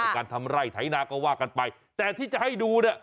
การทำไร่ไถนาก็ว่ากันไปแต่ที่จะให้ดูเนี่ย